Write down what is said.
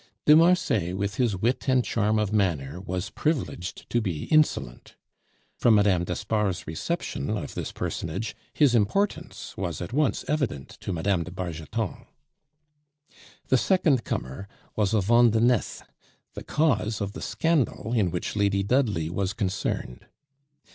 De Marsay with his wit and charm of manner was privileged to be insolent. From Mme. d'Espard's reception of this personage his importance was at once evident to Mme. de Bargeton. The second comer was a Vandenesse, the cause of the scandal in which Lady Dudley was concerned.